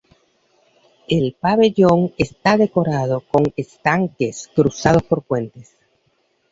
El pabellón está decorado con estanques, cruzados por puentes.